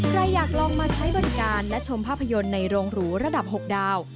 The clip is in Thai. ใครอยากลองมาใช้บริการและชมภาพยนตร์ในโรงหรูระดับ๖ดาว